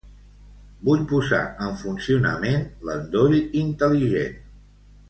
Vull posar en funcionament l'endoll intel·ligent.